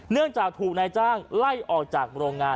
เนื่องจากถูกนายจ้างไล่ออกจากโรงงาน